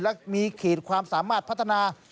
และมีเขตความสามารถพัฒนา